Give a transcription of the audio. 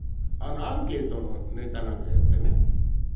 あのアンケートのネタなんかやってね。